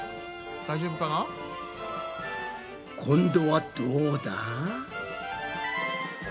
大丈夫かな？今度はどうだ？